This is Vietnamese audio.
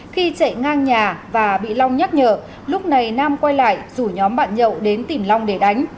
khi chạy ngang nhà và bị long nhắc nhở lúc này nam quay lại rủ nhóm bạn nhậu đến tìm long để đánh